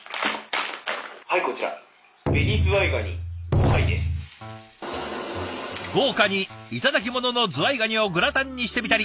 はいこちら豪華に頂き物のズワイガニをグラタンにしてみたり。